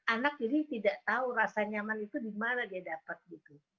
anak jadi tidak tahu rasa nyaman itu dimana dia dalam